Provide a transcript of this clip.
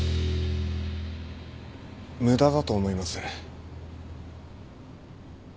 無駄だと思います。